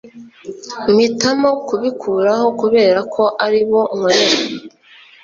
mpitamo kubikuraho kubera ko aribo nkorera